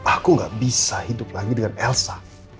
aku gak bisa hidup lagi dengan elsa